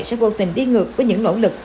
sẽ vô tình đi ngược với những nỗ lực